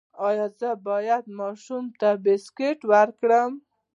ایا زه باید ماشوم ته بسکټ ورکړم؟